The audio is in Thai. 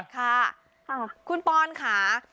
คุณปอนค่ะ